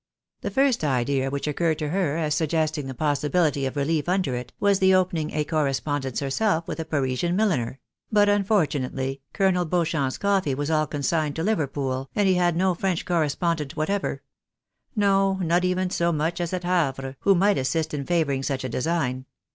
The flrst idea which occurred to her as suggesting the possibility of relief under it, was the opening a correspondence herself with a Parisian milliner ; but unfortunately, Colonel Beauchamp's coffee was all consigned to Liverpool, and he had no French correspondent whatever — no, not even so much as at Havre — who might assist in favouring such a design.